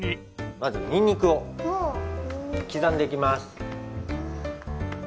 まずにんにくをきざんでいきます。